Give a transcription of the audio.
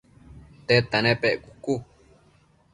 tedta nepec?cucu